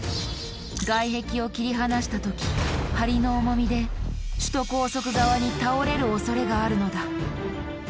外壁を切り離した時梁の重みで首都高速側に倒れるおそれがあるのだ。